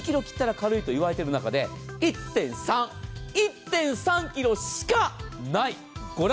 ２ｋｇ切ったら軽いと言われている中で１．３ｋｇしかない。